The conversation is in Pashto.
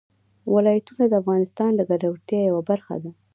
ولایتونه د افغانانو د ګټورتیا یوه برخه ده.